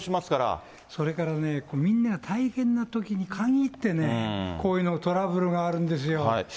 それからね、みんなが大変なときにかぎってね、こういうトラブルがあるんですよ。